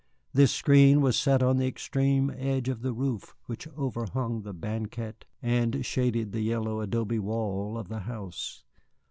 This screen was set on the extreme edge of the roof which overhung the banquette and shaded the yellow adobe wall of the house.